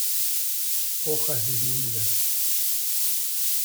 Hojas divididas.